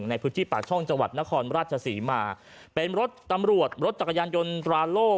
ในพื้นที่ปากช่องจังหวัดนครราชศรีมาเป็นรถตำรวจรถจักรยานยนต์ตราโล่